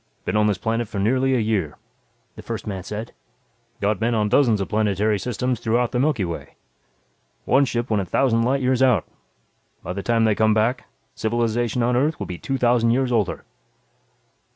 "Been on this planet for nearly a year," the first man said. "Got men on dozens of planetary systems throughout the Milky Way. One ship went a thousand light years out. By the time they come back, civilization on Earth will be two thousand years older."